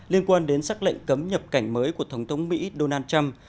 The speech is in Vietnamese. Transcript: liên quan đến xác lệnh cấm nhập cảnh mới của tổng thống mỹ donald trump